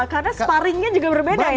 karena sparringnya juga berbeda ya